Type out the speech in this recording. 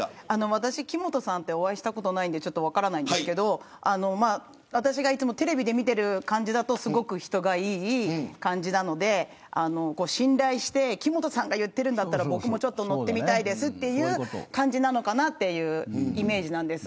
私、木本さんとはお会いしたことないんで分かりませんけどいつもテレビで見ている感じだとすごく人がいい感じなので信頼して木本さんが言っているなら僕も乗ってみたいです、という感じなのかなというイメージなんです。